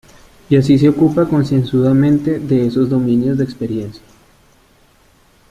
Y así se ocupa concienzudamente de esos dominios de experiencia.